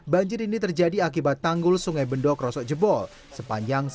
banjir ini terjadi akibat tanggul sungai bendokroso jebol sepanjang sepuluh meter